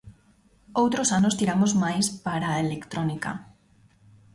Outros anos tiramos máis para a electrónica.